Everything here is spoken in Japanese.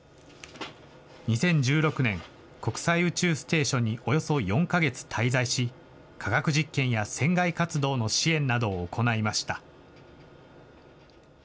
２０１６年、国際宇宙ステーションにおよそ４か月滞在し、科学実験や船外活動の支援などを行いました。